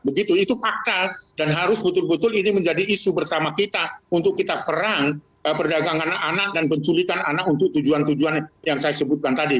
begitu itu pakal dan harus betul betul ini menjadi isu bersama kita untuk kita perang perdagangan anak anak dan penculikan anak untuk tujuan tujuan yang saya sebutkan tadi